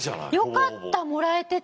よかったもらえてて。